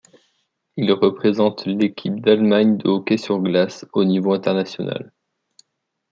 Il représente l'Équipe d'Allemagne de hockey sur glace au niveau international.